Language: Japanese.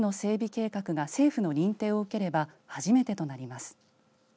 計画が政府の認定を受ければ初めてとなります。